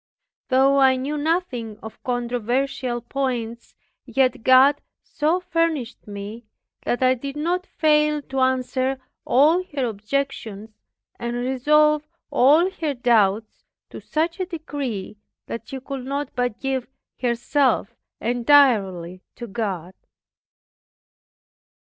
Though I knew nothing of controversial points, yet God so furnished me that I did not fail to answer all her objections, and resolve all her doubts, to such a degree, that she could not but give herself up entirely to God.